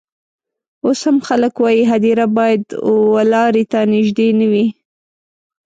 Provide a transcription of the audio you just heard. اوس هم خلک وايي هدیره باید و لاري ته نژدې نه وي.